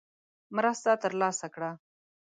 مرسته ترلاسه کړه.